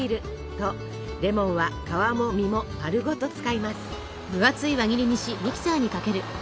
とレモンは皮も実もまるごと使います。